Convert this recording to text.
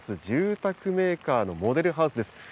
住宅メーカーのモデルハウスです。